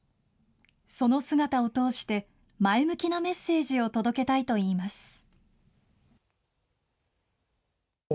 その姿を通して前向きなメッセージを届けたいと言います。